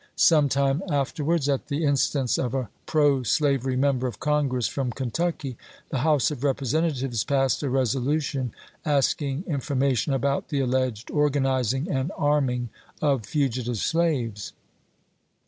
Some time afterwards, at the instance of a pro slavery Member of Congress from Kentucky, the House of Representatives passed a resolution ask ing information about the alleged organizing and arming of fugitive slaves.